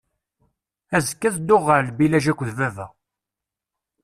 Azekka ad dduɣ ɣer lbilaǧ akked baba.